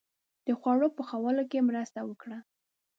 • د خوړو په پخولو کې مرسته وکړه.